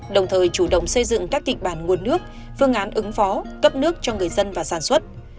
đồng thời chủ động xây dựng các kịch bản nguồn nước phương án ứng phó cấp nước cho người dân và sản xuất